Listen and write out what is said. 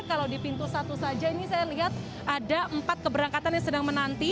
kalau di pintu satu saja ini saya lihat ada empat keberangkatan yang sedang menanti